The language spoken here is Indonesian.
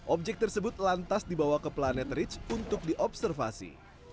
objek tersebut lantas dibawa ke planet rich untuk diobservasi